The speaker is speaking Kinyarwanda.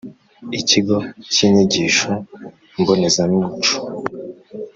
Ikigo cy Inyigisho Mbonezamuco